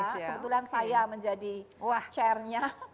kebetulan saya menjadi chairnya